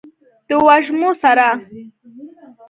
د وږمو سره